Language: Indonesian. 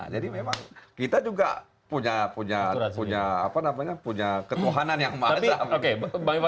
jadi memang kita juga punya ketuhanan yang mahal